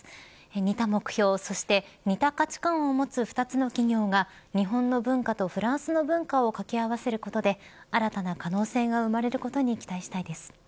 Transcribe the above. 似た目標、そして似た価値観を持つ２つの企業が日本の文化とフランスの文化を掛け合わせることで新たな可能性が生まれることに期待したいです。